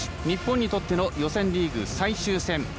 日本にとっての予選リーグ最終戦。